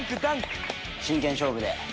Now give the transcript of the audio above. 真剣勝負で。